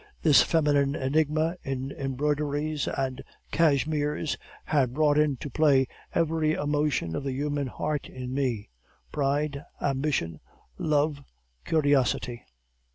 This feminine enigma in embroideries and cashmeres had brought into play every emotion of the human heart in me pride, ambition, love, curiosity.